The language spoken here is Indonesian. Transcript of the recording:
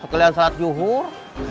sekalian salat yuhur